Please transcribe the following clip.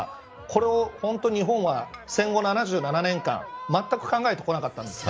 これを本当に日本が戦後７７年間まったく考えてこなかったんです。